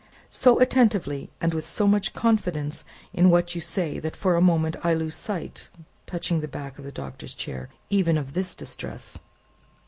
"So attentively, and with so much confidence in what you say, that for the moment I lose sight," touching the back of the Doctor's chair, "even of this distress."